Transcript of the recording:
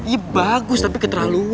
iya bagus tapi keterlaluan